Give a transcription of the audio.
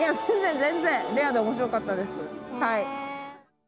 全然、レアで面白かったです。